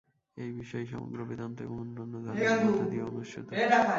এই বিষয়ই সমগ্র বেদান্ত এবং অন্যান্য ধর্মের মধ্য দিয়া অনুস্যূত।